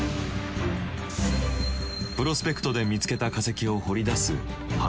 プロスペクトで見つけた化石を掘り出す発掘。